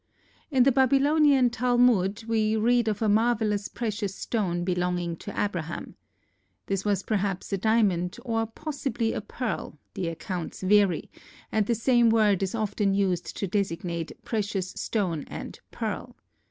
In the Babylonian Talmud we read of a marvellous precious stone belonging to Abraham. This was perhaps a diamond, or possibly a pearl; the accounts vary, and the same word is often used to designate "precious stone" and "pearl."